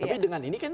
tapi dengan ini kan